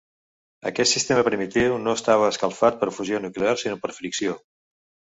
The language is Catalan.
Aquest sistema primitiu no estava escalfat per fusió nuclear sinó per fricció.